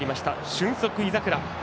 俊足、井櫻。